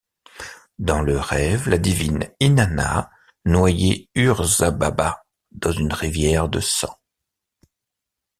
Dans le rêve, la divine Inanna noyait Ur-Zababa dans une rivière de sang.